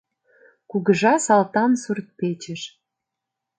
Кугыжа Салтан сурт-печыш..»